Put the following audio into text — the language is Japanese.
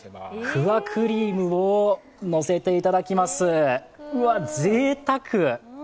フワクリームをのせていただきます、ぜいこく！